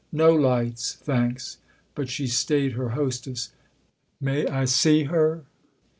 "No lights, thanks." But she stayed her hostess. " May I see her